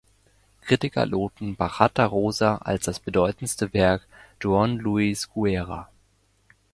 Kritiker lobten Bachata Rosa als das bedeutendste Werk Juan Luis Guerra.